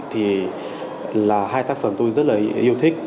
thì là hai tác phẩm tôi rất là yêu thích